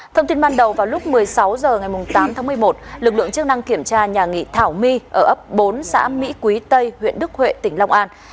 thông tin ban đầu vào lúc một mươi sáu h ngày tám tháng một mươi một lực lượng chức năng kiểm tra nhà nghị thảo my ở ấp bốn xã mỹ quý tây huyện đức huệ tỉnh long an